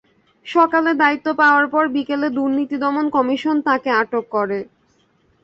সকালে দায়িত্ব পাওয়ার পর বিকেলে দুর্নীতি দমন কমিশন তাঁকে আটক করে।